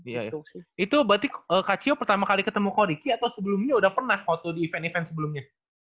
iya iya itu berarti kak cio pertama kali ketemu ko riki atau sebelumnya udah pernah waktu di event event sebelumnya